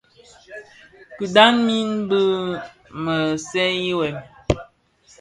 Kidhaň min bi maa seňi wêm,